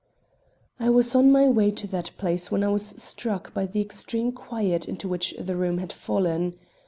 I was on my way to that place when I was struck by the extreme quiet into which the room had fallen.